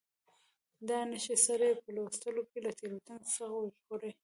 دا نښې سړی په لوستلو کې له تېروتنې څخه ژغوري.